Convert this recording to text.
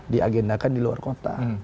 di agendakan di luar kota